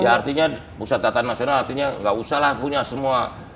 ya artinya pusat tatan nasional artinya nggak usah lah punya semua